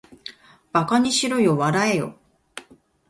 馬鹿ばかにしろよ、笑わらえよ